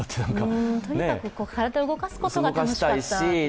とにかく体を動かすことが楽しかった。